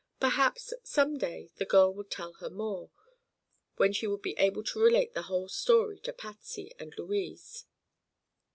Perhaps some day the girl would tell her more, when she would be able to relate the whole story to Patsy and Louise.